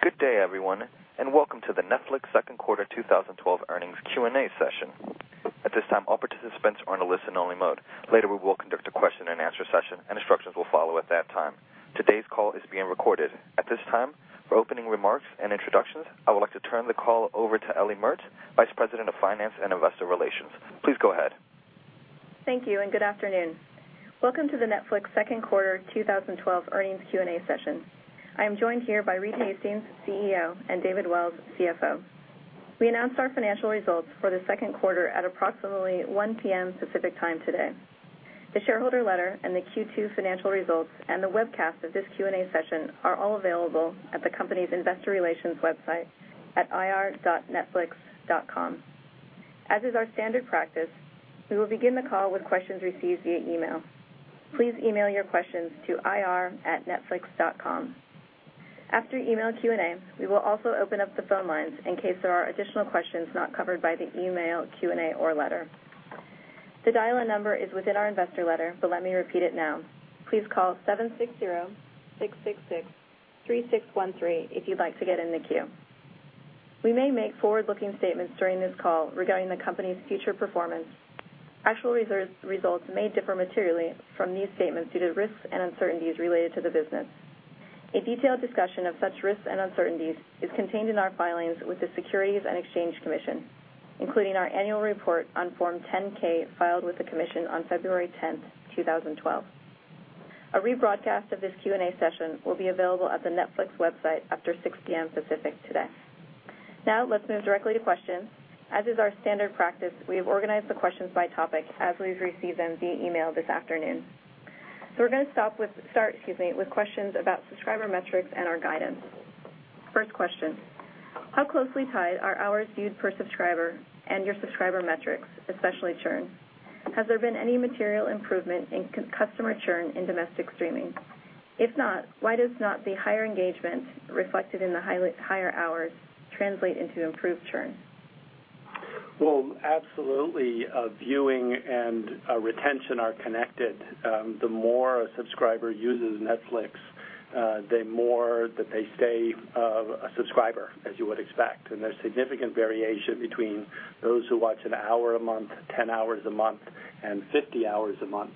Good day, everyone, welcome to the Netflix second quarter 2012 earnings Q&A session. At this time, all participants are on a listen only mode. Later, we will conduct a question and answer session, and instructions will follow at that time. Today's call is being recorded. At this time, for opening remarks and introductions, I would like to turn the call over to Ellie Mertz, Vice President of Finance and Investor Relations. Please go ahead. Thank you, good afternoon. Welcome to the Netflix second quarter 2012 earnings Q&A session. I am joined here by Reed Hastings, CEO, and David Wells, CFO. We announced our financial results for the second quarter at approximately 1:00 P.M. Pacific Time today. The shareholder letter and the Q2 financial results and the webcast of this Q&A session are all available at the company's investor relations website at ir.netflix.com. As is our standard practice, we will begin the call with questions received via email. Please email your questions to ir@netflix.com. After email Q&A, we will also open up the phone lines in case there are additional questions not covered by the email Q&A or letter. The dial-in number is within our investor letter, let me repeat it now. Please call 760-666-3613 if you'd like to get in the queue. We may make forward-looking statements during this call regarding the company's future performance. Actual results may differ materially from these statements due to risks and uncertainties related to the business. A detailed discussion of such risks and uncertainties is contained in our filings with the Securities and Exchange Commission, including our annual report on Form 10-K filed with the commission on February 10th, 2012. A rebroadcast of this Q&A session will be available at the Netflix website after 6:00 P.M. Pacific today. Let's move directly to questions. As is our standard practice, we have organized the questions by topic as we've received them via email this afternoon. We're going to start with questions about subscriber metrics and our guidance. First question, how closely tied are hours viewed per subscriber and your subscriber metrics, especially churn? Has there been any material improvement in customer churn in domestic streaming? If not, why does not the higher engagement reflected in the higher hours translate into improved churn? Well, absolutely. Viewing and retention are connected. The more a subscriber uses Netflix, the more that they stay a subscriber, as you would expect. There's significant variation between those who watch an hour a month, 10 hours a month, and 50 hours a month.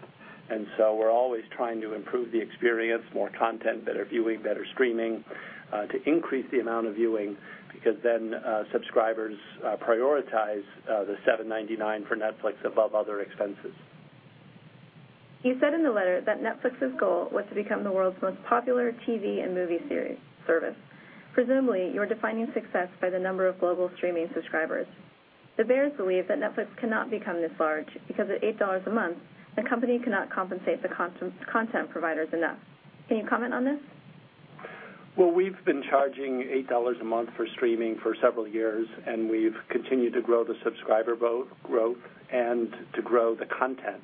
We're always trying to improve the experience, more content, better viewing, better streaming, to increase the amount of viewing, because then subscribers prioritize the $7.99 for Netflix above other expenses. You said in the letter that Netflix's goal was to become the world's most popular TV and movie service. Presumably, you're defining success by the number of global streaming subscribers. The bears believe that Netflix cannot become this large because at $8 a month, the company cannot compensate the content providers enough. Can you comment on this? Well, we've been charging $8 a month for streaming for several years, and we've continued to grow the subscriber growth and to grow the content.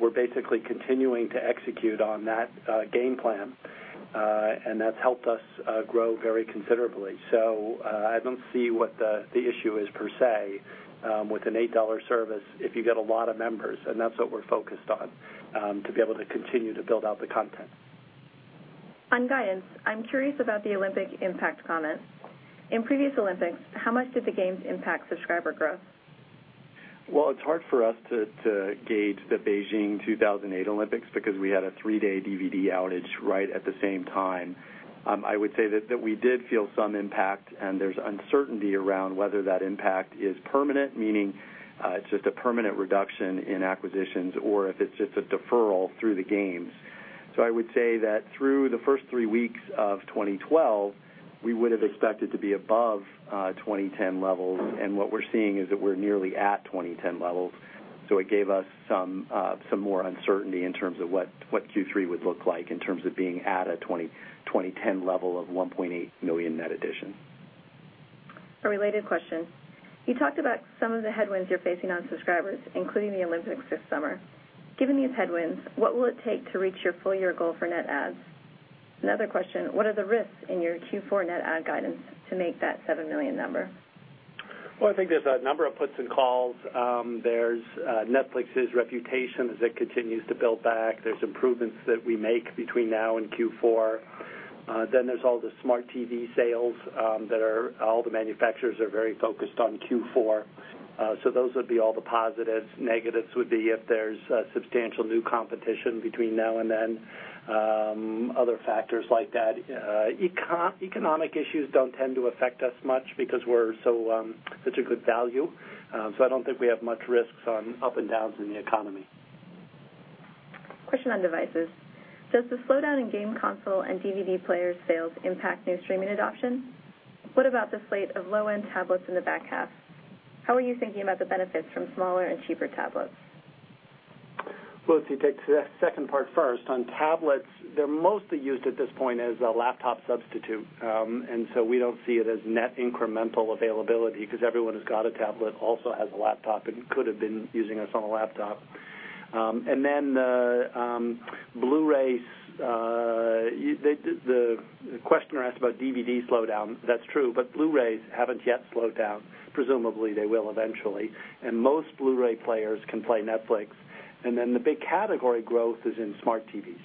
We're basically continuing to execute on that game plan. That's helped us grow very considerably. I don't see what the issue is per se with an $8 service if you get a lot of members, and that's what we're focused on, to be able to continue to build out the content. On guidance, I'm curious about the Olympic impact comment. In previous Olympics, how much did the games impact subscriber growth? It's hard for us to gauge the Beijing 2008 Olympics because we had a three-day DVD outage right at the same time. I would say that we did feel some impact, and there's uncertainty around whether that impact is permanent, meaning it's just a permanent reduction in acquisitions or if it's just a deferral through the games. I would say that through the first three weeks of 2012, we would've expected to be above 2010 levels, and what we're seeing is that we're nearly at 2010 levels. It gave us some more uncertainty in terms of what Q3 would look like in terms of being at a 2010 level of 1.8 million net addition. A related question. You talked about some of the headwinds you're facing on subscribers, including the Olympics this summer. Given these headwinds, what will it take to reach your full-year goal for net adds? Another question, what are the risks in your Q4 net add guidance to make that seven million number? I think there's a number of puts and calls. There's Netflix's reputation as it continues to build back. There's improvements that we make between now and Q4. There's all the smart TV sales that all the manufacturers are very focused on Q4. Those would be all the positives. Negatives would be if there's substantial new competition between now and then. Other factors like that. Economic issues don't tend to affect us much because we're such a good value. I don't think we have much risks on up and downs in the economy. Question on devices. Does the slowdown in game console and DVD player sales impact new streaming adoption? What about the slate of low-end tablets in the back half? How are you thinking about the benefits from smaller and cheaper tablets? Well, let's see, take the second part first. On tablets, they're mostly used at this point as a laptop substitute. We don't see it as net incremental availability because everyone who's got a tablet also has a laptop and could've been using us on a laptop. Blu-rays, the questioner asked about DVD slowdown. That's true, Blu-rays haven't yet slowed down. Presumably, they will eventually. Most Blu-ray players can play Netflix. The big category growth is in smart TVs.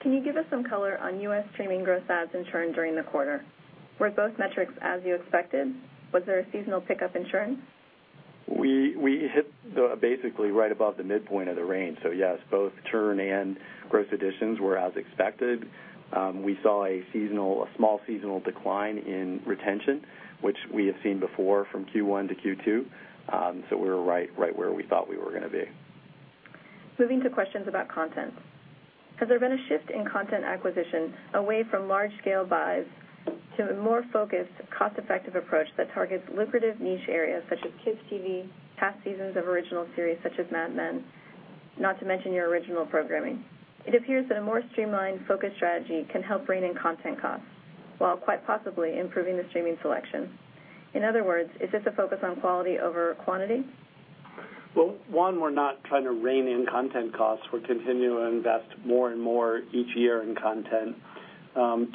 Can you give us some color on U.S. streaming growth adds and churn during the quarter? Were both metrics as you expected? Was there a seasonal pickup in churn? We hit basically right above the midpoint of the range. Yes, both churn and growth additions were as expected. We saw a small seasonal decline in retention, which we have seen before from Q1 to Q2. We were right where we thought we were going to be. Moving to questions about content. Has there been a shift in content acquisition away from large-scale buys to a more focused, cost-effective approach that targets lucrative niche areas such as kids TV, past seasons of original series such as "Mad Men," not to mention your original programming? It appears that a more streamlined, focused strategy can help rein in content costs, while quite possibly improving the streaming selection. In other words, is this a focus on quality over quantity? One, we're not trying to rein in content costs. We're continuing to invest more and more each year in content.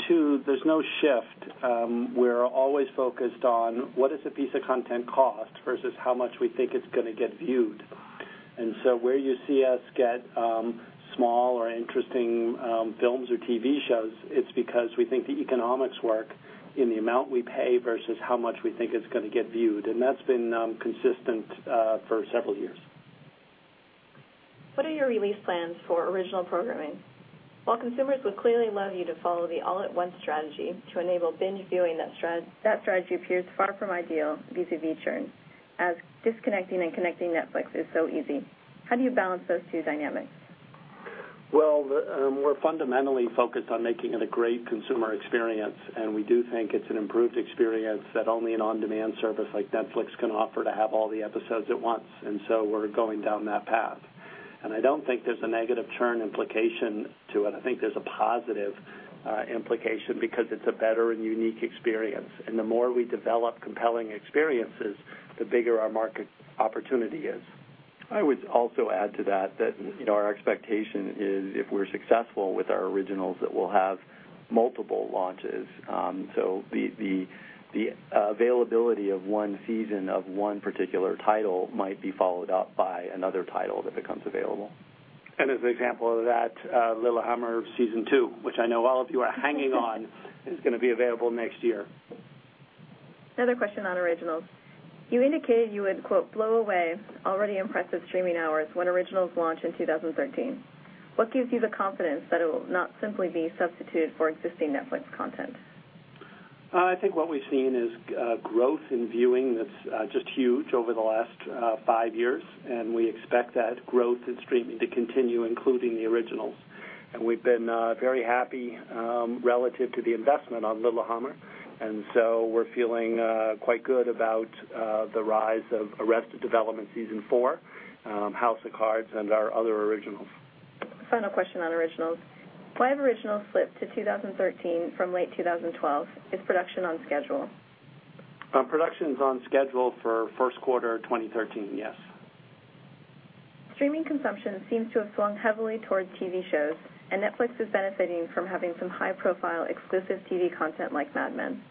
Two, there's no shift. We're always focused on what does a piece of content cost versus how much we think it's going to get viewed. Where you see us get small or interesting films or TV shows, it's because we think the economics work in the amount we pay versus how much we think it's going to get viewed. That's been consistent for several years. What are your release plans for original programming? While consumers would clearly love you to follow the all-at-once strategy to enable binge viewing, that strategy appears far from ideal vis-a-vis churn, as disconnecting and connecting Netflix is so easy. How do you balance those two dynamics? We're fundamentally focused on making it a great consumer experience, and we do think it's an improved experience that only an on-demand service like Netflix can offer to have all the episodes at once. We're going down that path. I don't think there's a negative churn implication to it. I think there's a positive implication because it's a better and unique experience. The more we develop compelling experiences, the bigger our market opportunity is. I would also add to that our expectation is if we're successful with our originals, that we'll have multiple launches. The availability of one season of one particular title might be followed up by another title that becomes available. As an example of that, Lilyhammer season two, which I know all of you are hanging on, is going to be available next year. Another question on originals. You indicated you would, quote, "blow away already impressive streaming hours when originals launch in 2013." What gives you the confidence that it will not simply be substitute for existing Netflix content? I think what we've seen is growth in viewing that's just huge over the last five years, and we expect that growth in streaming to continue, including the originals. We've been very happy relative to the investment on Lilyhammer, so we're feeling quite good about the rise of Arrested Development season four, House of Cards and our other originals. Final question on originals. Why have originals slipped to 2013 from late 2012? Is production on schedule? Production's on schedule for first quarter 2013, yes. Streaming consumption seems to have swung heavily towards TV shows, Netflix is benefiting from having some high-profile exclusive TV content like "Mad Men."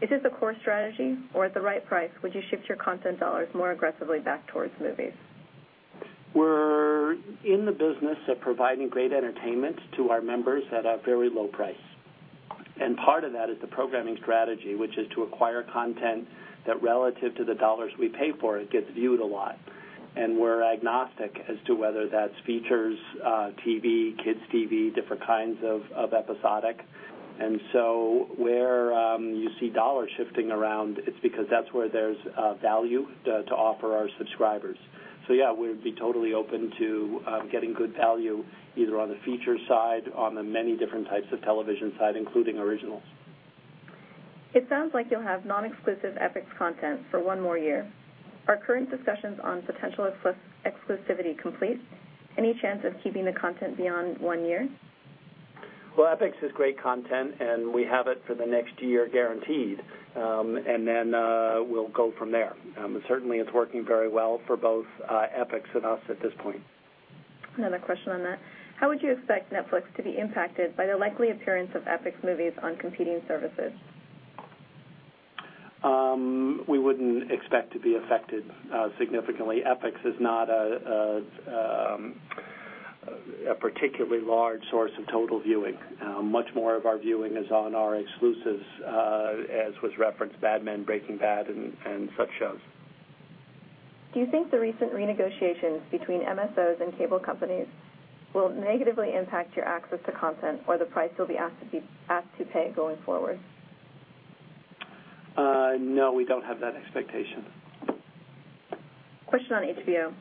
Is this a core strategy, or at the right price would you shift your content dollars more aggressively back towards movies? We're in the business of providing great entertainment to our members at a very low price. Part of that is the programming strategy, which is to acquire content that relative to the dollars we pay for it, gets viewed a lot. We're agnostic as to whether that's features, TV, kids TV, different kinds of episodic. Where you see dollars shifting around, it's because that's where there's value to offer our subscribers. Yeah, we'd be totally open to getting good value either on the feature side, on the many different types of television side, including originals. It sounds like you'll have non-exclusive Epix content for one more year. Are current discussions on potential exclusivity complete? Any chance of keeping the content beyond one year? Well, Epix is great content, and we have it for the next year guaranteed. Then we'll go from there. Certainly, it's working very well for both Epix and us at this point. Another question on that. How would you expect Netflix to be impacted by the likely appearance of Epix movies on competing services? We wouldn't expect to be affected significantly. Epix is not a particularly large source of total viewing. Much more of our viewing is on our exclusives as was referenced, "Mad Men," "Breaking Bad" and such shows. Do you think the recent renegotiations between MSO and cable companies will negatively impact your access to content or the price you'll be asked to pay going forward? No, we don't have that expectation. Question on HBO.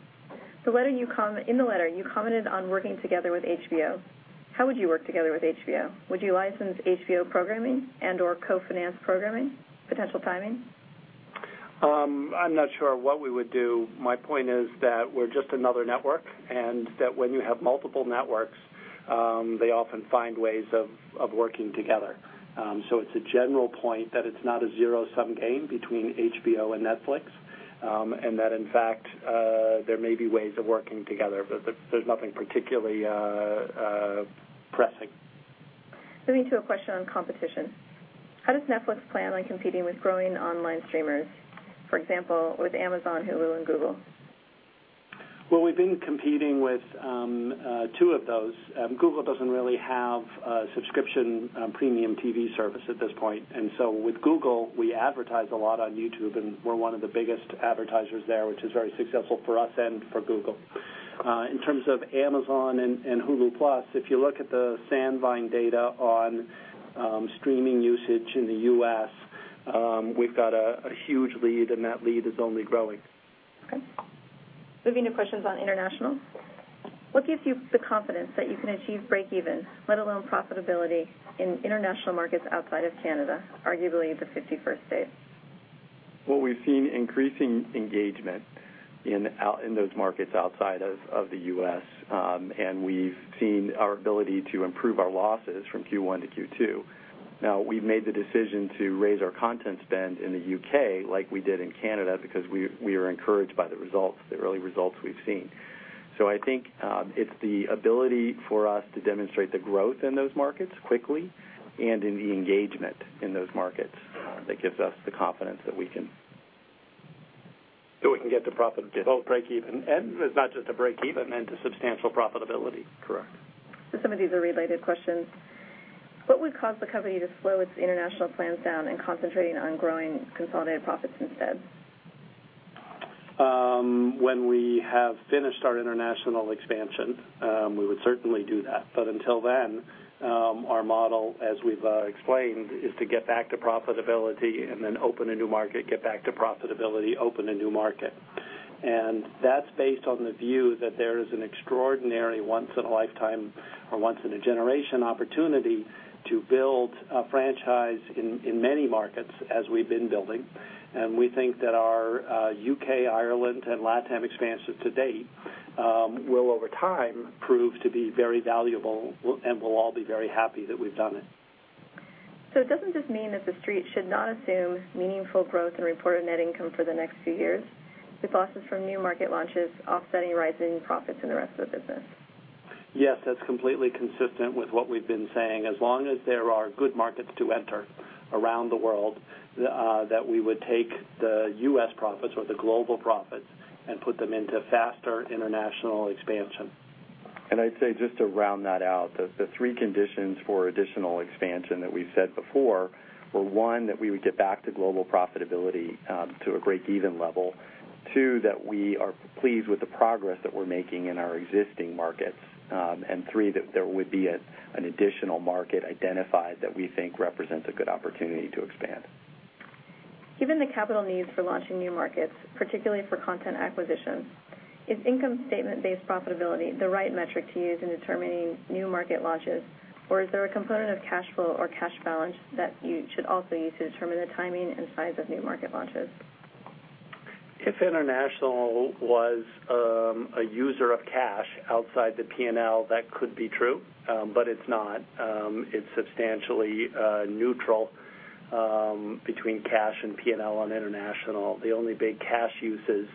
In the letter, you commented on working together with HBO. How would you work together with HBO? Would you license HBO programming and/or co-finance programming? Potential timing? I'm not sure what we would do. My point is that we're just another network, and that when you have multiple networks, they often find ways of working together. It's a general point that it's not a zero-sum game between HBO and Netflix, and that in fact, there may be ways of working together. There's nothing particularly pressing. Moving to a question on competition. How does Netflix plan on competing with growing online streamers, for example, with Amazon, Hulu, and Google? Well, we've been competing with two of those. Google doesn't really have a subscription premium TV service at this point. With Google, we advertise a lot on YouTube, and we're one of the biggest advertisers there, which is very successful for us and for Google. In terms of Amazon and Hulu Plus, if you look at the Sandvine data on streaming usage in the U.S., we've got a huge lead, and that lead is only growing. Okay. Moving to questions on international. What gives you the confidence that you can achieve break even, let alone profitability, in international markets outside of Canada, arguably the 51st state? Well, we've seen increasing engagement in those markets outside of the U.S., and we've seen our ability to improve our losses from Q1 to Q2. Now, we've made the decision to raise our content spend in the U.K. like we did in Canada because we are encouraged by the early results we've seen. I think it's the ability for us to demonstrate the growth in those markets quickly and in the engagement in those markets that gives us the confidence that we can- That we can get to profitability. Both break even, and it's not just to break even, and to substantial profitability. Correct. Some of these are related questions. What would cause the company to slow its international plans down and concentrating on growing consolidated profits instead? When we have finished our international expansion, we would certainly do that. Until then, our model, as we've explained, is to get back to profitability and then open a new market, get back to profitability, open a new market. That's based on the view that there is an extraordinary once in a lifetime or once in a generation opportunity to build a franchise in many markets as we've been building. We think that our U.K., Ireland, and LatAm expansions to date will, over time, prove to be very valuable, and we'll all be very happy that we've done it. Does it just mean that the Street should not assume meaningful growth in reported net income for the next few years, with losses from new market launches offsetting rising profits in the rest of the business? Yes, that's completely consistent with what we've been saying. As long as there are good markets to enter around the world, that we would take the U.S. profits or the global profits and put them into faster international expansion. I'd say, just to round that out, that the three conditions for additional expansion that we've said before were, one, that we would get back to global profitability to a break-even level, two, that we are pleased with the progress that we're making in our existing markets, and three, that there would be an additional market identified that we think represents a good opportunity to expand. Given the capital needs for launching new markets, particularly for content acquisition, is income statement-based profitability the right metric to use in determining new market launches? Is there a component of cash flow or cash balance that you should also use to determine the timing and size of new market launches? If international was a user of cash outside the P&L, that could be true. It's not. It's substantially neutral between cash and P&L on international. The only big cash uses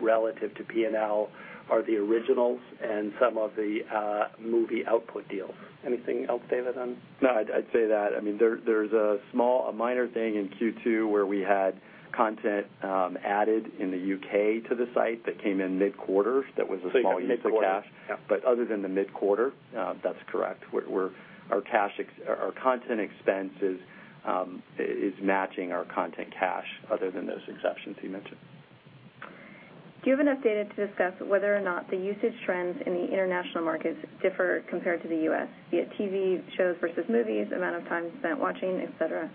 relative to P&L are the originals and some of the movie output deals. Anything else, David, on? No, I'd say that. There's a minor thing in Q2 where we had content added in the U.K. to the site that came in mid-quarter that was a small use of cash. Mid-quarter. Yeah. Other than the mid-quarter, that's correct. Our content expense is matching our content cash other than those exceptions he mentioned. Do you have enough data to discuss whether or not the usage trends in the international markets differ compared to the U.S., be it TV shows versus movies, amount of time spent watching, et cetera?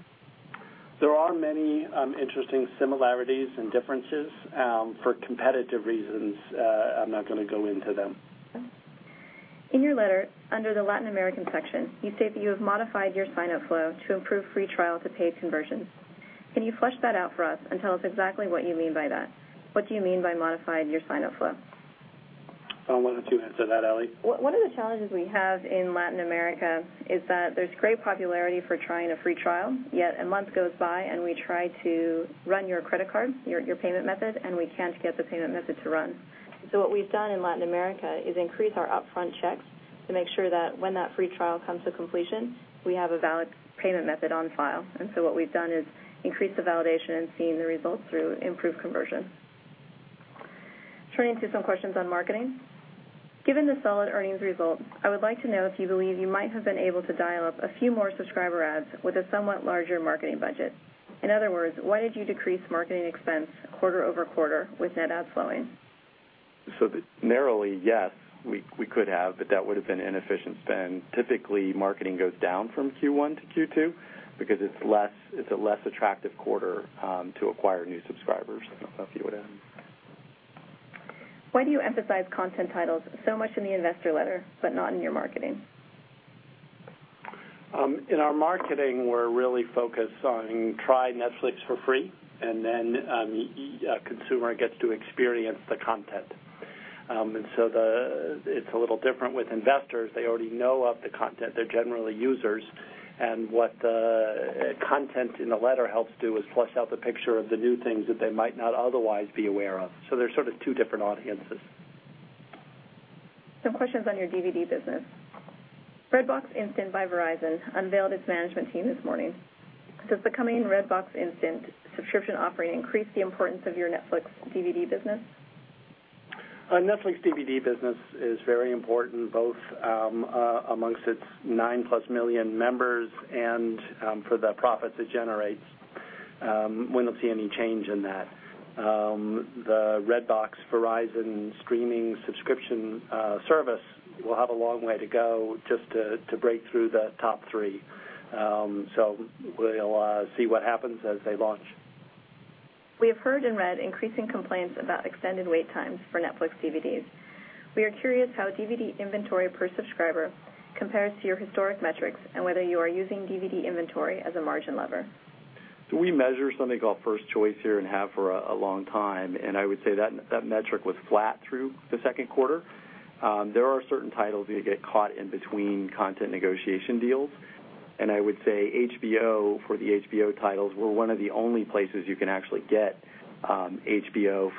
There are many interesting similarities and differences. For competitive reasons, I'm not going to go into them. Okay. In your letter, under the Latin American section, you state that you have modified your signup flow to improve free trial to paid conversions. Can you flesh that out for us and tell us exactly what you mean by that? What do you mean by modifying your signup flow? I'll let you answer that, Ellie. One of the challenges we have in Latin America is that there's great popularity for trying a free trial, yet a month goes by and we try to run your credit card, your payment method, and we can't get the payment method to run. What we've done in Latin America is increase our upfront checks to make sure that when that free trial comes to completion, we have a valid payment method on file. What we've done is increase the validation and seen the results through improved conversion. Turning to some questions on marketing. Given the solid earnings results, I would like to know if you believe you might have been able to dial up a few more subscriber adds with a somewhat larger marketing budget. In other words, why did you decrease marketing expense quarter-over-quarter with net adds slowing? Narrowly, yes, we could have, but that would've been inefficient spend. Typically, marketing goes down from Q1 to Q2 because it's a less attractive quarter to acquire new subscribers. I don't know if you would add anything. Why do you emphasize content titles so much in the investor letter but not in your marketing? In our marketing, we're really focused on "Try Netflix for free," then a consumer gets to experience the content. It's a little different with investors. They already know of the content. They're generally users, and what the content in the letter helps do is flesh out the picture of the new things that they might not otherwise be aware of. They're sort of two different audiences. Some questions on your DVD business. Redbox Instant by Verizon unveiled its management team this morning. Does the coming Redbox Instant subscription offering increase the importance of your Netflix DVD business? Netflix DVD business is very important both amongst its nine-plus million members and for the profits it generates. We don't see any change in that. The Redbox Verizon streaming subscription service will have a long way to go just to break through the top three. We'll see what happens as they launch. We have heard and read increasing complaints about extended wait times for Netflix DVDs. We are curious how DVD inventory per subscriber compares to your historic metrics and whether you are using DVD inventory as a margin lever. We measure something called First Choice here and have for a long time, I would say that metric was flat through the second quarter. There are certain titles that get caught in between content negotiation deals, I would say HBO for the HBO titles, we're one of the only places you can actually get HBO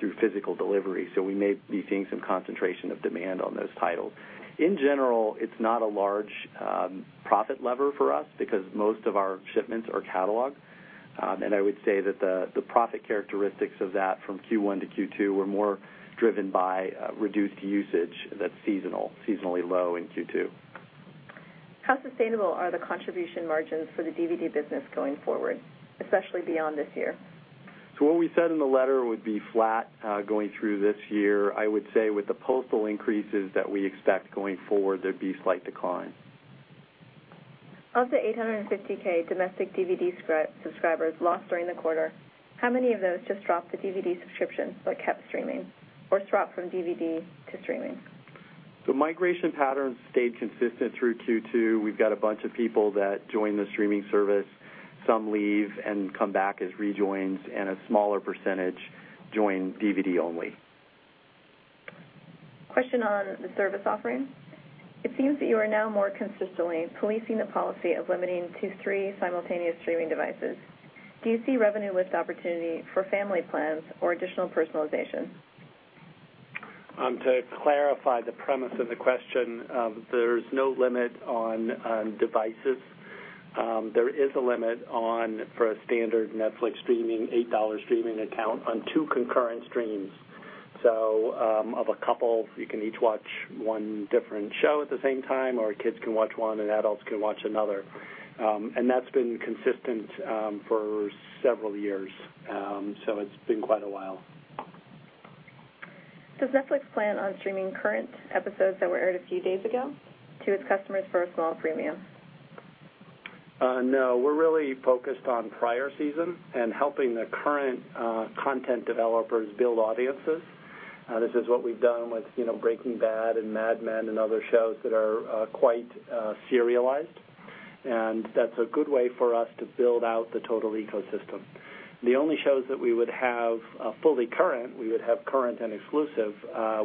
through physical delivery. We may be seeing some concentration of demand on those titles. In general, it's not a large profit lever for us because most of our shipments are cataloged. I would say that the profit characteristics of that from Q1 to Q2 were more driven by reduced usage that's seasonally low in Q2. How sustainable are the contribution margins for the DVD business going forward, especially beyond this year? What we said in the letter would be flat going through this year. I would say with the postal increases that we expect going forward, there'd be slight decline. Of the 850,000 domestic DVD subscribers lost during the quarter, how many of those just dropped the DVD subscription but kept streaming or swapped from DVD to streaming? The migration pattern stayed consistent through Q2. We've got a bunch of people that join the streaming service. Some leave and come back as rejoins, and a smaller percentage join DVD only. Question on the service offering. It seems that you are now more consistently policing the policy of limiting to three simultaneous streaming devices. Do you see revenue lift opportunity for family plans or additional personalization? To clarify the premise of the question, there's no limit on devices. There is a limit for a standard Netflix streaming, $8 streaming account on two concurrent streams. Of a couple, you can each watch one different show at the same time, or kids can watch one and adults can watch another. That's been consistent for several years, it's been quite a while. Does Netflix plan on streaming current episodes that were aired a few days ago to its customers for a small premium? No, we're really focused on prior season and helping the current content developers build audiences. This is what we've done with "Breaking Bad" and "Mad Men" and other shows that are quite serialized. That's a good way for us to build out the total ecosystem. The only shows that we would have fully current, we would have current and exclusive,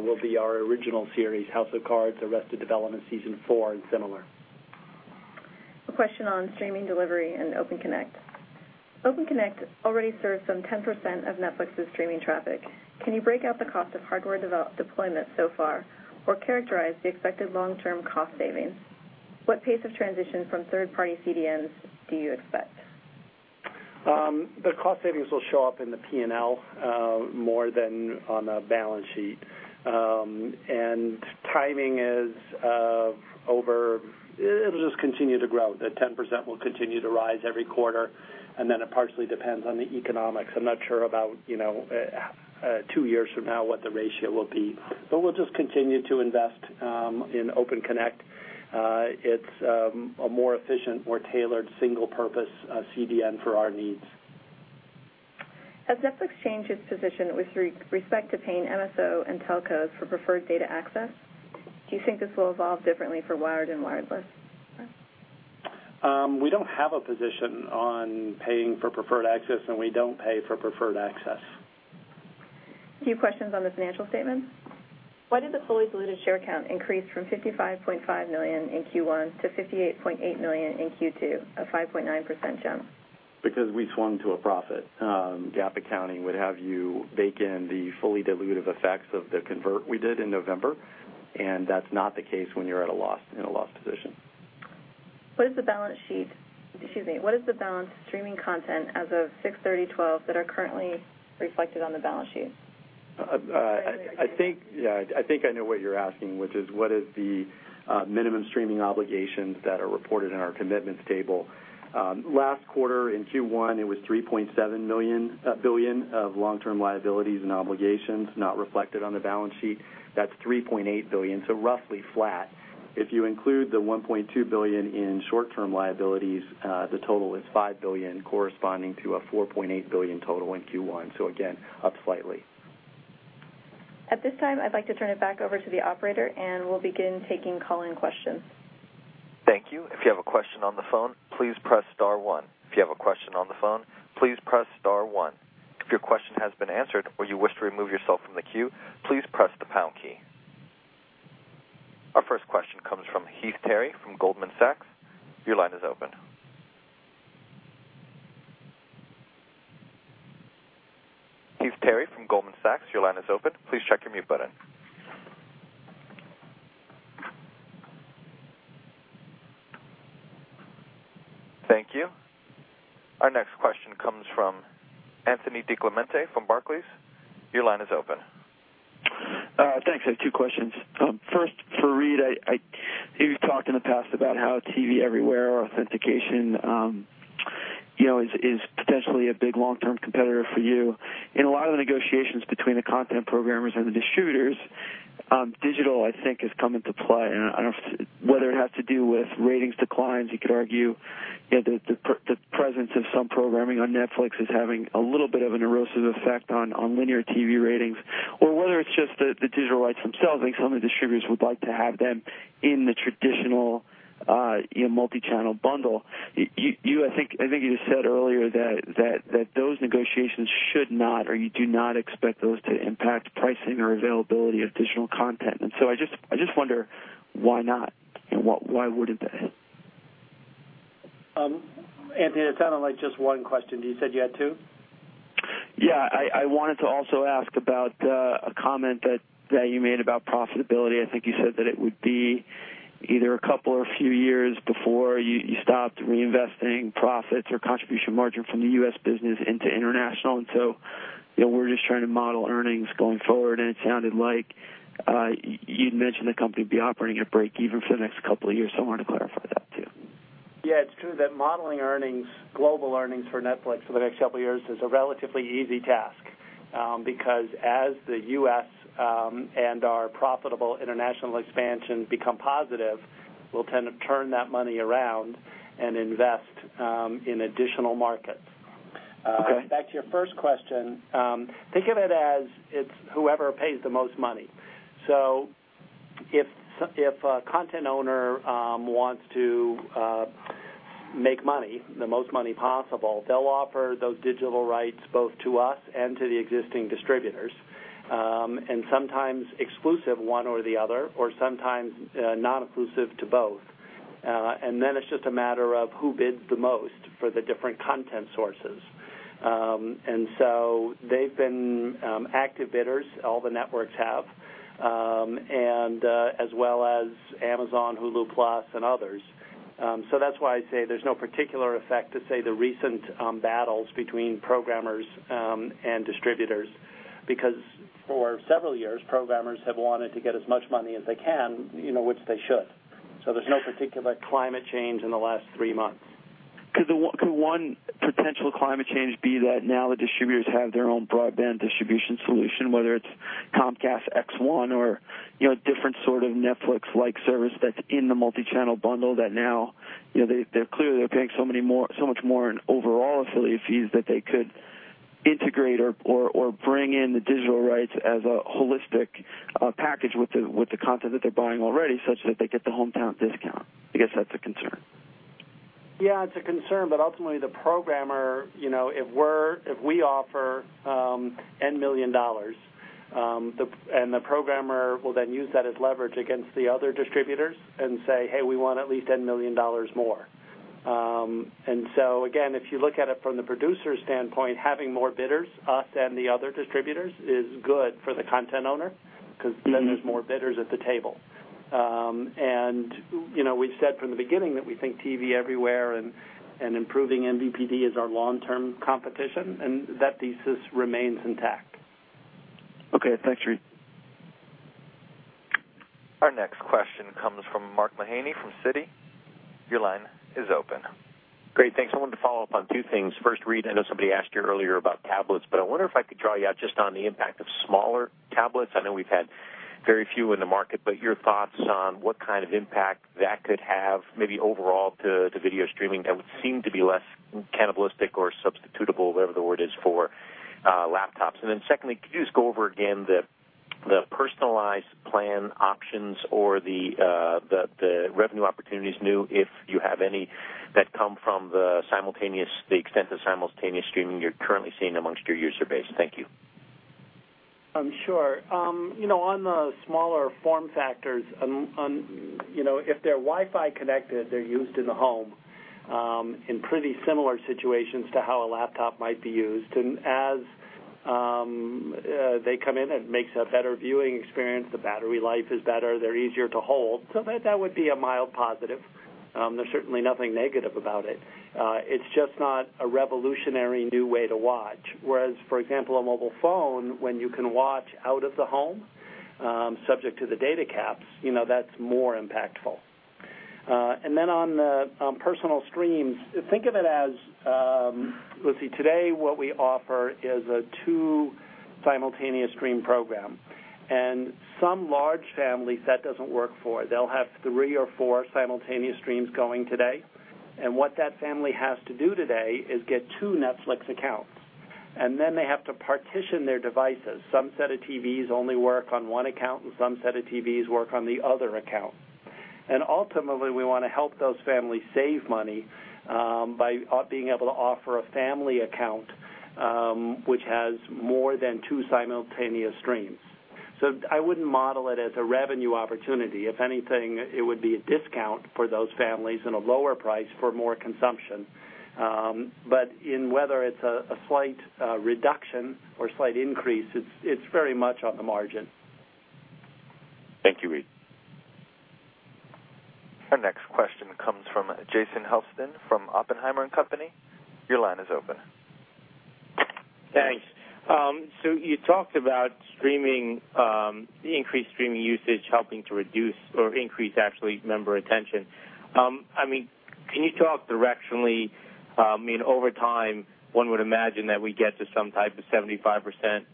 will be our original series, "House of Cards," "Arrested Development" season four, and similar. A question on streaming delivery and Open Connect. Open Connect already serves some 10% of Netflix's streaming traffic. Can you break out the cost of hardware deployment so far or characterize the expected long-term cost savings? What pace of transition from third-party CDN do you expect? The cost savings will show up in the P&L more than on the balance sheet. It'll just continue to grow. The 10% will continue to rise every quarter, and then it partially depends on the economics. I'm not sure about two years from now what the ratio will be, but we'll just continue to invest in Open Connect. It's a more efficient, more tailored, single-purpose CDN for our needs. Has Netflix changed its position with respect to paying MSO and telcos for preferred data access? Do you think this will evolve differently for wired and wireless? We don't have a position on paying for preferred access, and we don't pay for preferred access. A few questions on the financial statement. Why did the fully diluted share count increase from 55.5 million in Q1 to 58.8 million in Q2, a 5.9% jump? We swung to a profit. GAAP accounting would have you bake in the fully dilutive effects of the convert we did in November, and that's not the case when you're in a loss position. What is the balance streaming content as of 06/30/2012 that are currently reflected on the balance sheet? I think I know what you're asking, which is what is the minimum streaming obligations that are reported in our commitments table. Last quarter, in Q1, it was $3.7 billion of long-term liabilities and obligations not reflected on the balance sheet. That's $3.8 billion, roughly flat. If you include the $1.2 billion in short-term liabilities, the total is $5 billion, corresponding to a $4.8 billion total in Q1. Again, up slightly. At this time, I'd like to turn it back over to the operator, we'll begin taking call-in questions. Thank you. If you have a question on the phone, please press star one. If you have a question on the phone, please press star one. If your question has been answered or you wish to remove yourself from the queue, please press the pound key. Our first question comes from Heath Terry from Goldman Sachs. Your line is open Heath Terry from Goldman Sachs. Please check your mute button. Thank you. Our next question comes from Anthony DiClemente from Barclays. Your line is open. Thanks. I have two questions. First, for Reed. You've talked in the past about how TV Everywhere authentication is potentially a big long-term competitor for you. In a lot of the negotiations between the content programmers and the distributors, digital, I think, has come into play. I don't know whether it has to do with ratings declines. You could argue the presence of some programming on Netflix is having a little bit of an erosive effect on linear TV ratings, or whether it's just the digital rights themselves. I think some of the distributors would like to have them in the traditional multi-channel bundle. I think you said earlier that those negotiations should not, or you do not expect those to impact pricing or availability of digital content. I just wonder why not, and why wouldn't they? Anthony, that sounded like just one question. You said you had two? Yeah, I wanted to also ask about a comment that you made about profitability. I think you said that it would be either a couple or a few years before you stopped reinvesting profits or contribution margin from the U.S. business into international. We're just trying to model earnings going forward, and it sounded like you'd mentioned the company would be operating at breakeven for the next couple of years. I wanted to clarify that too. Yeah, it's true that modeling earnings, global earnings for Netflix for the next couple of years is a relatively easy task. As the U.S. and our profitable international expansion become positive, we'll tend to turn that money around and invest in additional markets. Okay. Back to your first question. Think of it as it's whoever pays the most money. If a content owner wants to make money, the most money possible, they'll offer those digital rights both to us and to the existing distributors, and sometimes exclusive one or the other, or sometimes non-exclusive to both. Then it's just a matter of who bids the most for the different content sources. They've been active bidders, all the networks have, as well as Amazon, Hulu Plus, and others. That's why I say there's no particular effect to, say, the recent battles between programmers and distributors because for several years, programmers have wanted to get as much money as they can, which they should. There's no particular climate change in the last three months. Could one potential climate change be that now the distributors have their own broadband distribution solution, whether it's Comcast X1 or different sort of Netflix-like service that's in the multi-channel bundle that now they're clearly paying so much more in overall affiliate fees that they could integrate or bring in the digital rights as a holistic package with the content that they're buying already, such that they get the hometown discount? I guess that's a concern. Yeah, it's a concern, ultimately the programmer if we offer $N million, the programmer will then use that as leverage against the other distributors and say, "Hey, we want at least $N million more." Again, if you look at it from the producer's standpoint, having more bidders, us and the other distributors, is good for the content owner because then there's more bidders at the table. We've said from the beginning that we think TV Everywhere and improving MVPD is our long-term competition, and that thesis remains intact. Okay. Thanks, Reed. Our next question comes from Mark Mahaney from Citi. Your line is open. Great. Thanks. I wanted to follow up on two things. First, Reed, I know somebody asked you earlier about tablets, but I wonder if I could draw you out just on the impact of smaller tablets. I know we've had very few in the market, but your thoughts on what kind of impact that could have, maybe overall to video streaming that would seem to be less cannibalistic or substitutable, whatever the word is, for laptops. Then secondly, could you just go over again the personalized plan options or the revenue opportunities new, if you have any that come from the extent of simultaneous streaming you're currently seeing amongst your user base? Thank you. Sure. On the smaller form factors, if they're Wi-Fi connected, they're used in the home in pretty similar situations to how a laptop might be used. As they come in, it makes a better viewing experience. The battery life is better. They're easier to hold. That would be a mild positive. There's certainly nothing negative about it. It's just not a revolutionary new way to watch. For example, a mobile phone, when you can watch out of the home, subject to the data caps, that's more impactful. Then on personal streams, think of it, let's see, today what we offer is a two simultaneous stream program. Some large families that doesn't work for. They'll have three or four simultaneous streams going today. What that family has to do today is get two Netflix accounts, and then they have to partition their devices. Some set of TVs only work on one account, and some set of TVs work on the other account. Ultimately, we want to help those families save money by being able to offer a family account, which has more than two simultaneous streams. I wouldn't model it as a revenue opportunity. If anything, it would be a discount for those families and a lower price for more consumption. In whether it's a slight reduction or slight increase, it's very much on the margin. Thank you, Reed. Our next question comes from Jason Helfstein from Oppenheimer & Co. Your line is open. Thanks. You talked about the increased streaming usage helping to reduce or increase actually member retention. Can you talk directionally, over time, one would imagine that we get to some type of 75%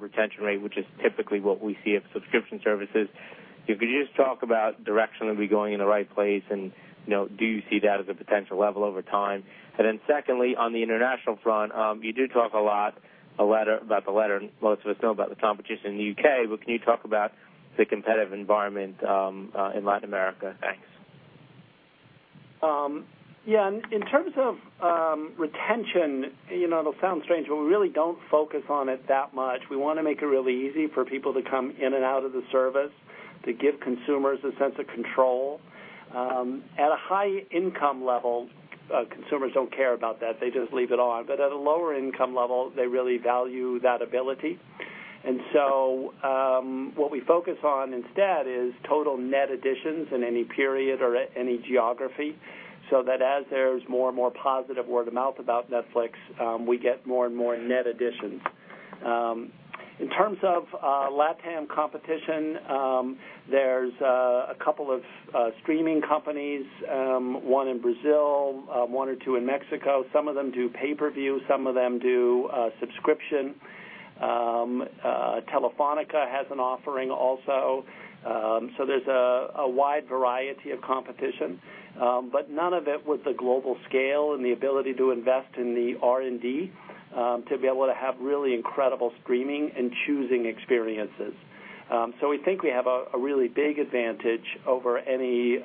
retention rate, which is typically what we see of subscription services. If you could just talk about directionally, are we going in the right place and, do you see that as a potential level over time? Then secondly, on the international front, you do talk a lot about the letter, and most of us know about the competition in the U.K., but can you talk about the competitive environment in Latin America? Thanks. Yeah. In terms of retention, it'll sound strange, but we really don't focus on it that much. We want to make it really easy for people to come in and out of the service to give consumers a sense of control. At a high-income level, consumers don't care about that. They just leave it on. At a lower income level, they really value that ability. What we focus on instead is total net additions in any period or any geography, so that as there's more and more positive word of mouth about Netflix, we get more and more net additions. In terms of LatAm competition, there's a couple of streaming companies, one in Brazil, one or two in Mexico. Some of them do pay-per-view, some of them do subscription. Telefónica has an offering also. There's a wide variety of competition. None of it with the global scale and the ability to invest in the R&D to be able to have really incredible streaming and choosing experiences. We think we have a really big advantage over any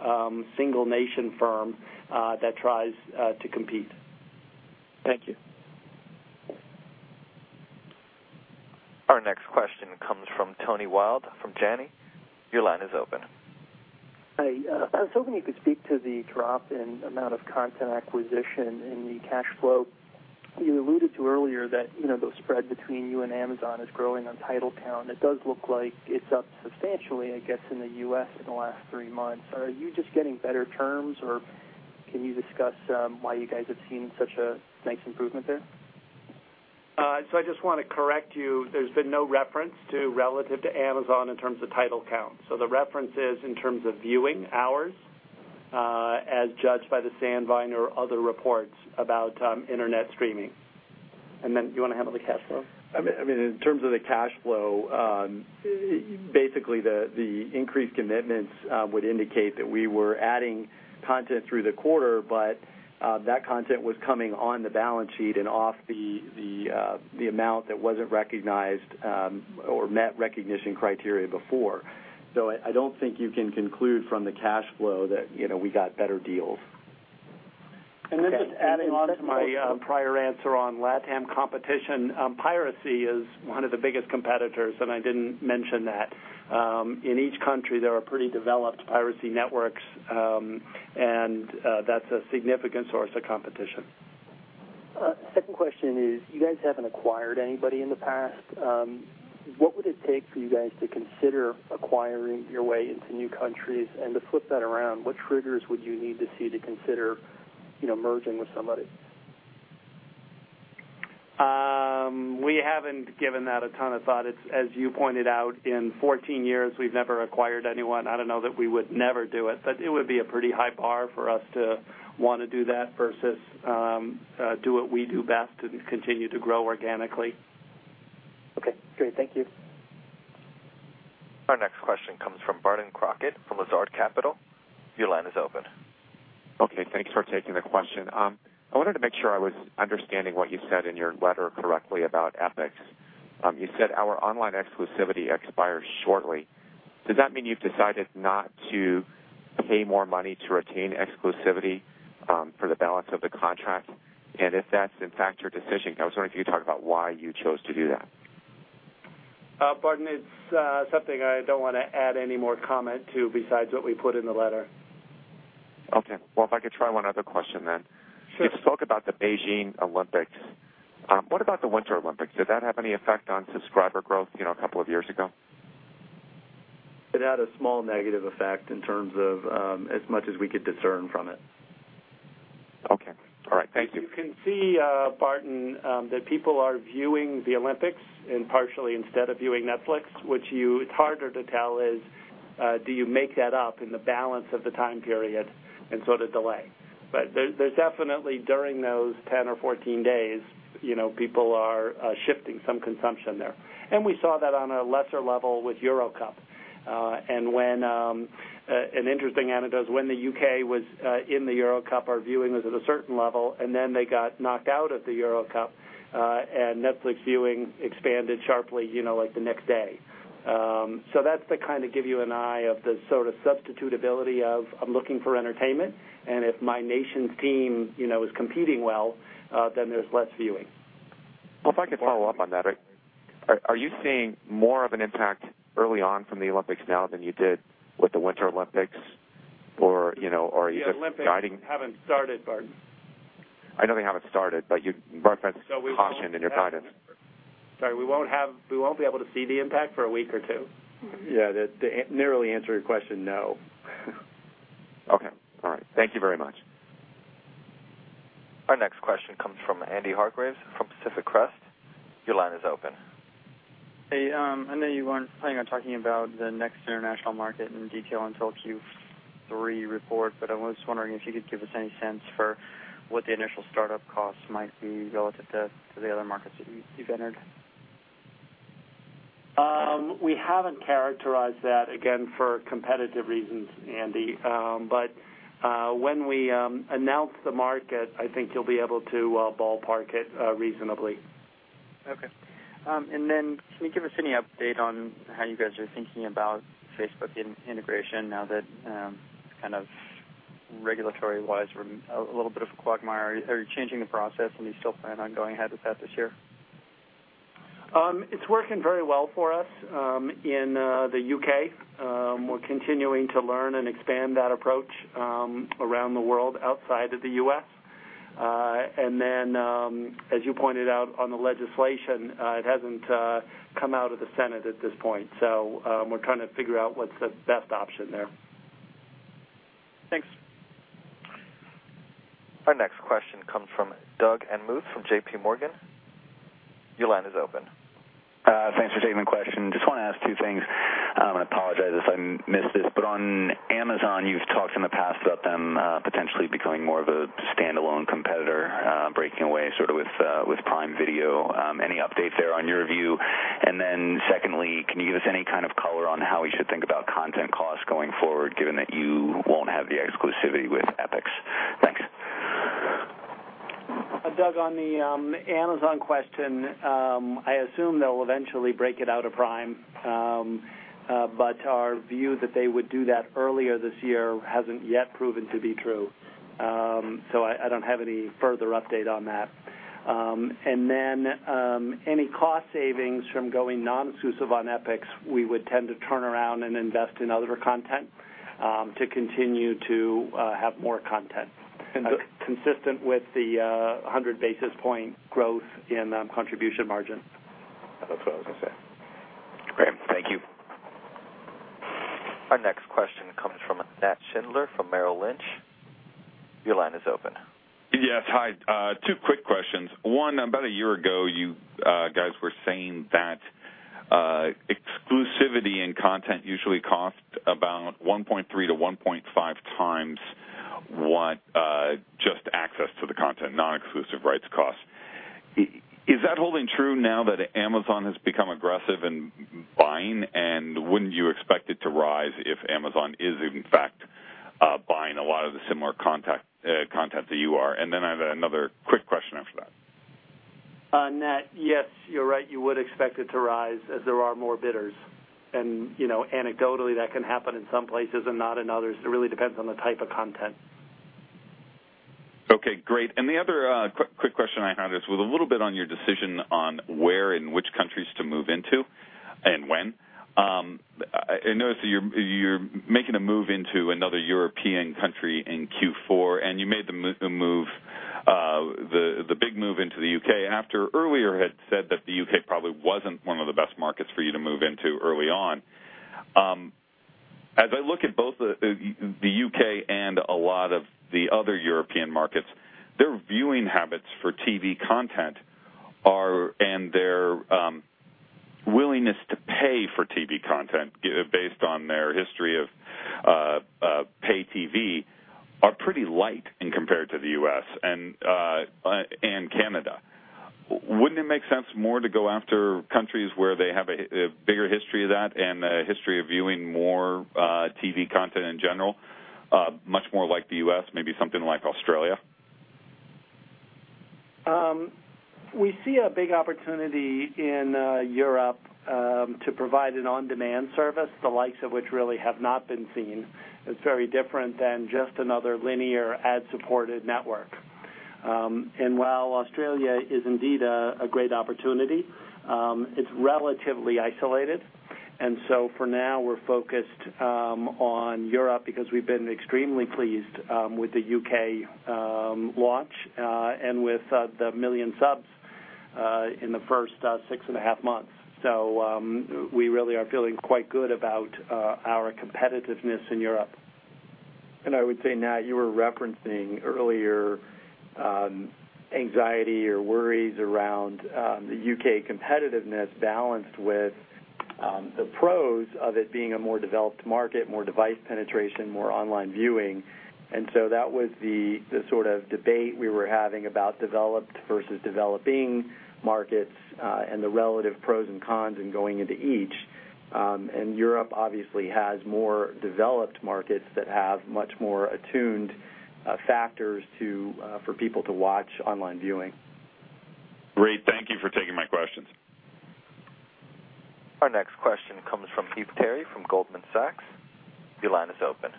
single nation firm that tries to compete. Thank you. Our next question comes from Tony Wible from Janney. Your line is open. Hi, I was hoping you could speak to the drop in amount of content acquisition in the cash flow. You alluded to earlier that the spread between you and Amazon is growing on title count. It does look like it's up substantially, I guess, in the U.S. in the last three months. Are you just getting better terms, or can you discuss why you guys have seen such a nice improvement there? I just want to correct you. There's been no reference to relative to Amazon in terms of title count. The reference is in terms of viewing hours, as judged by the Sandvine or other reports about internet streaming. Do you want to handle the cash flow? In terms of the cash flow, basically the increased commitments would indicate that we were adding content through the quarter, but that content was coming on the balance sheet and off the amount that wasn't recognized or met recognition criteria before. I don't think you can conclude from the cash flow that we got better deals. Just adding on to my prior answer on LatAm competition, piracy is one of the biggest competitors, and I didn't mention that. In each country, there are pretty developed piracy networks, and that's a significant source of competition. Second question is, you guys haven't acquired anybody in the past. What would it take for you guys to consider acquiring your way into new countries? To flip that around, what triggers would you need to see to consider merging with somebody? We haven't given that a ton of thought. As you pointed out, in 14 years, we've never acquired anyone. I don't know that we would never do it, but it would be a pretty high bar for us to want to do that versus do what we do best and continue to grow organically. Okay, great. Thank you. Our next question comes from Barton Crockett from Lazard Capital. Your line is open. Okay. Thanks for taking the question. I wanted to make sure I was understanding what you said in your letter correctly about Epix. You said, "Our online exclusivity expires shortly." Does that mean you've decided not to pay more money to retain exclusivity for the balance of the contract? If that's in fact your decision, I was wondering if you could talk about why you chose to do that. Barton, it's something I don't want to add any more comment to besides what we put in the letter. Okay. Well, if I could try one other question then. Sure. You spoke about the Beijing Olympics. What about the Winter Olympics? Did that have any effect on subscriber growth a couple of years ago? It had a small negative effect in terms of as much as we could discern from it. Okay. All right. Thank you. You can see, Barton, that people are viewing the Olympics and partially instead of viewing Netflix, which it's harder to tell is do you make that up in the balance of the time period and sort of delay. There's definitely during those 10 or 14 days, people are shifting some consumption there. We saw that on a lesser level with Euro Cup. An interesting anecdote is when the U.K. was in the Euro Cup, our viewing was at a certain level, and then they got knocked out of the Euro Cup, and Netflix viewing expanded sharply the next day. That's to kind of give you an eye of the sort of substitutability of I'm looking for entertainment, and if my nation's team is competing well, then there's less viewing. Well, if I could follow up on that. Are you seeing more of an impact early on from the Olympics now than you did with the Winter Olympics? Are you just guiding- The Olympics haven't started, Barton. You referenced caution in your guidance. Sorry, we won't be able to see the impact for a week or two. Yeah. To narrowly answer your question, no. Okay. All right. Thank you very much. Our next question comes from Andy Hargreaves from Pacific Crest. Your line is open. Hey, I know you weren't planning on talking about the next international market in detail until Q3 report. I was wondering if you could give us any sense for what the initial startup costs might be relative to the other markets that you've entered. We haven't characterized that, again, for competitive reasons, Andy. When we announce the market, I think you'll be able to ballpark it reasonably. Okay. Can you give us any update on how you guys are thinking about Facebook integration now that kind of regulatory-wise we're in a little bit of a quagmire? Are you changing the process? Do you still plan on going ahead with that this year? It's working very well for us in the U.K. We're continuing to learn and expand that approach around the world outside of the U.S. As you pointed out on the legislation, it hasn't come out of the Senate at this point. We're trying to figure out what's the best option there. Thanks. Our next question comes from Doug Anmuth from J.P. Morgan. Your line is open. Thanks for taking the question. Just want to ask two things. I apologize if I missed this, on Amazon, you've talked in the past about them potentially becoming more of a standalone competitor, breaking away sort of with Prime Video. Any updates there on your view? Secondly, can you give us any kind of color on how we should think about content costs going forward given that you won't have the exclusivity with Epix? Thanks. Doug, on the Amazon question, I assume they'll eventually break it out of Prime. Our view that they would do that earlier this year hasn't yet proven to be true. I don't have any further update on that. Any cost savings from going non-exclusive on Epix, we would tend to turn around and invest in other content to continue to have more content consistent with the 100 basis point growth in contribution margin. That's what I was going to say. Great. Thank you. Our next question comes from Nat Schindler from Merrill Lynch. Your line is open. Yes. Hi. Two quick questions. One, about a year ago, you guys were saying that exclusivity in content usually cost about 1.3 to 1.5 times what just access to the content non-exclusive rights cost. Is that holding true now that Amazon has become aggressive in buying? Wouldn't you expect it to rise if Amazon is in fact buying a lot of the similar content that you are? I have another quick question after that. Nat, yes, you're right. You would expect it to rise as there are more bidders. Anecdotally, that can happen in some places and not in others. It really depends on the type of content. Okay. Great. The other quick question I had is with a little bit on your decision on where and which countries to move into and when. I noticed that you're making a move into another European country in Q4, you made the big move into the U.K. after earlier had said that the U.K. probably wasn't one of the best markets for you to move into early on. As I look at both the U.K. and a lot of the other European markets, their viewing habits for TV content and their willingness to pay for TV content based on their history of pay TV are pretty light compared to the U.S. and Canada. Wouldn't it make sense more to go after countries where they have a bigger history of that and a history of viewing more TV content in general? Much more like the U.S., maybe something like Australia. We see a big opportunity in Europe to provide an on-demand service, the likes of which really have not been seen. It's very different than just another linear ad-supported network. While Australia is indeed a great opportunity, it's relatively isolated. For now, we're focused on Europe because we've been extremely pleased with the U.K. launch and with the 1 million subs in the first six and a half months. We really are feeling quite good about our competitiveness in Europe. I would say, Nat, you were referencing earlier anxiety or worries around the U.K. competitiveness balanced with the pros of it being a more developed market, more device penetration, more online viewing. That was the sort of debate we were having about developed versus developing markets and the relative pros and cons in going into each. Europe obviously has more developed markets that have much more attuned factors for people to watch online viewing. Great. Thank you for taking. Our next question comes from Heath Terry from Goldman Sachs. Your line is open.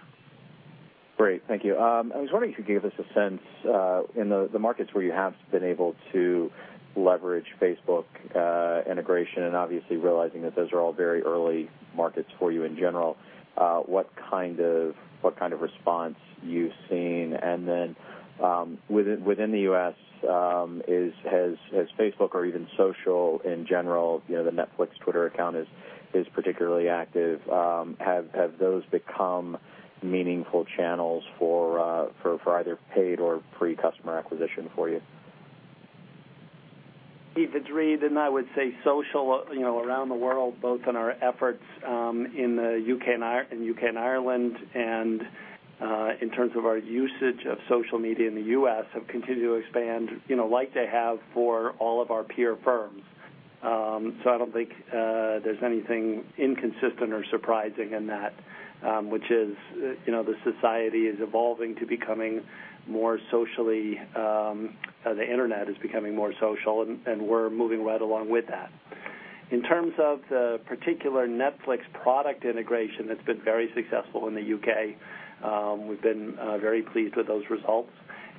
Great. Thank you. I was wondering if you could give us a sense in the markets where you have been able to leverage Facebook integration, and obviously realizing that those are all very early markets for you in general, what kind of response you've seen? Then within the U.S., has Facebook or even social in general, the Netflix Twitter account is particularly active have those become meaningful channels for either paid or free customer acquisition for you? Heath, it's Reed, I would say social around the world, both on our efforts in the U.K. and Ireland and in terms of our usage of social media in the U.S. have continued to expand, like they have for all of our peer firms. I don't think there's anything inconsistent or surprising in that which is the society is evolving to becoming more social and we're moving right along with that. In terms of the particular Netflix product integration, that's been very successful in the U.K. We've been very pleased with those results,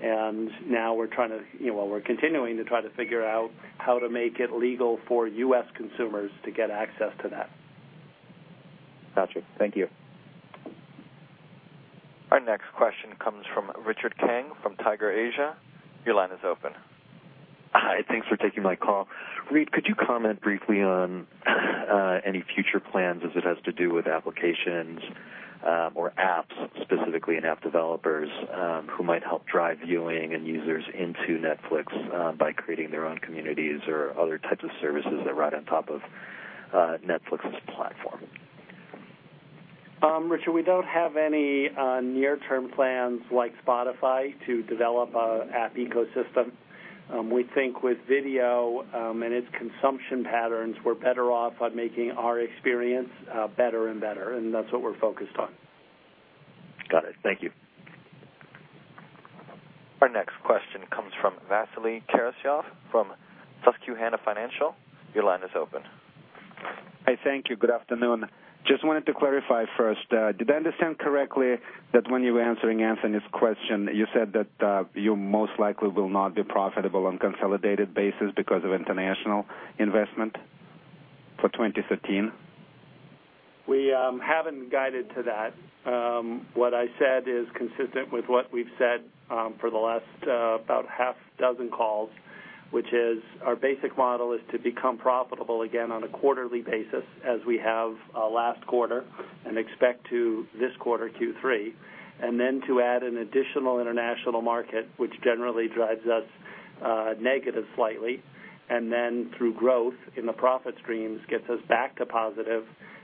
and now we're continuing to try to figure out how to make it legal for U.S. consumers to get access to that. Got you. Thank you. Our next question comes from Richard Kang from Tiger Asia. Your line is open. Hi. Thanks for taking my call. Reed, could you comment briefly on any future plans as it has to do with applications or apps specifically, and app developers who might help drive viewing and users into Netflix by creating their own communities or other types of services that ride on top of Netflix's platform? Richard, we don't have any near-term plans like Spotify to develop an app ecosystem. We think with video and its consumption patterns, we're better off by making our experience better and better. That's what we're focused on. Got it. Thank you. Our next question comes from Vasily Karasyov from Susquehanna Financial. Your line is open. Hi. Thank you. Good afternoon. Just wanted to clarify first, did I understand correctly that when you were answering Anthony's question, you said that you most likely will not be profitable on consolidated basis because of international investment for 2015? We haven't guided to that. What I said is consistent with what we've said for the last about half dozen calls, which is our basic model is to become profitable again on a quarterly basis as we have last quarter and expect to this quarter, Q3, and then to add an additional international market, which generally drives us negative slightly, and then through growth in the profit streams, gets us back to positive,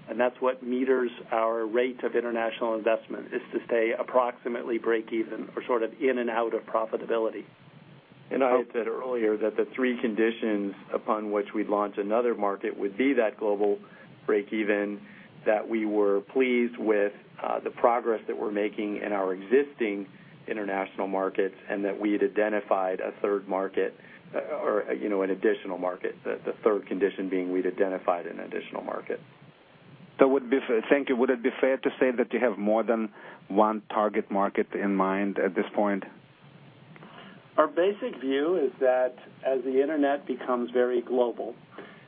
and that's what meters our rate of international investment is to stay approximately break even or sort of in and out of profitability. I noted earlier that the three conditions upon which we'd launch another market would be that global break even, that we were pleased with the progress that we're making in our existing international markets, and that we'd identified a third market or an additional market, the third condition being we'd identified an additional market. Thank you. Would it be fair to say that you have more than one target market in mind at this point? Our basic view is that as the Internet becomes very global,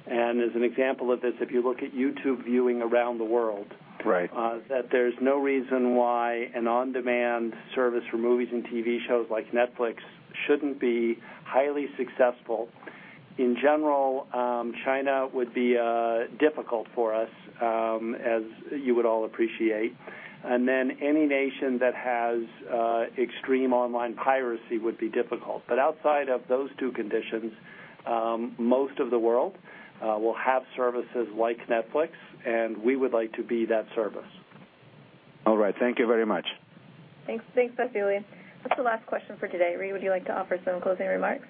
as an example of this, if you look at YouTube viewing around the world. Right that there's no reason why an on-demand service for movies and TV shows like Netflix shouldn't be highly successful. In general, China would be difficult for us, as you would all appreciate. Any nation that has extreme online piracy would be difficult. Outside of those two conditions, most of the world will have services like Netflix, and we would like to be that service. All right. Thank you very much. Thanks, Vasily. That's the last question for today. Reed, would you like to offer some closing remarks?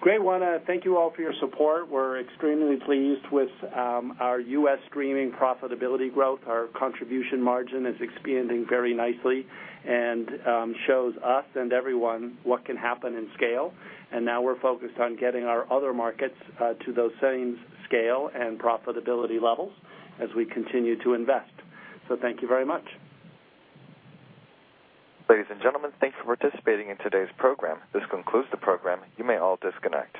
Great. Want to thank you all for your support. We're extremely pleased with our U.S. streaming profitability growth. Our contribution margin is expanding very nicely and shows us and everyone what can happen in scale. Now we're focused on getting our other markets to those same scale and profitability levels as we continue to invest. Thank you very much. Ladies and gentlemen, thanks for participating in today's program. This concludes the program. You may all disconnect.